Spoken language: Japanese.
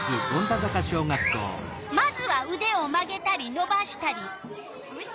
まずはうでを曲げたりのばしたり。